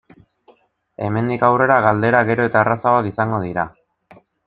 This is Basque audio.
Hemendik aurrera galderak gero eta errazagoak izango dira.